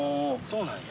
そうなんや。